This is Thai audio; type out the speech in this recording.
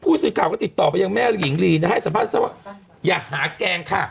ผู้สูญข่าวก็ติดต่อไปยังแม่หลีดยังให้สัมผัสอย่าหาแกล้งค่ะ